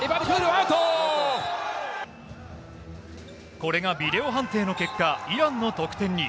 これがビデオ判定の結果、イランの得点に。